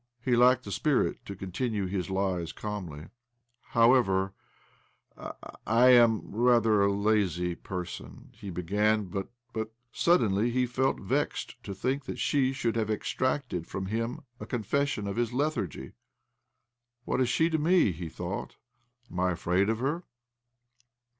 He lacked the spirit to continue his lies calmly. " However, I — I am rather a lazy person," he began. "But, but " Suddenly he felt vexed to think that she should have extracted from him a confession 1 68 OBLOMOV of his lethargiy. ' What is she to me? " hie thougiht. ' Am I afrMd of hfer